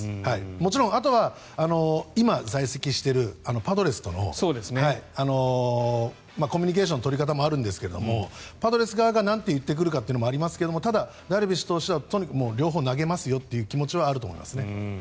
もちろんあとは今、在籍しているパドレスとのコミュニケーションの取り方もあるんですがパドレス側がなんて言ってくるかというのもありますがただ、ダルビッシュ投手がとにかく両方投げますよという気持ちはあると思いますね。